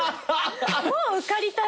もう受かりたい。